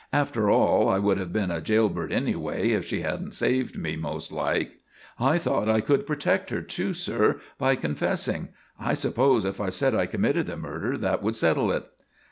"After all I would have been a jailbird anyway if she hadn't saved me, most like. I thought I could protect her, too, sir, by confessing. I supposed if I said I committed the murder that would settle it."